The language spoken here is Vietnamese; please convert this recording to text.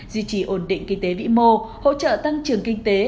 duy trì ổn định kinh tế vĩ mô hỗ trợ tăng trưởng kinh tế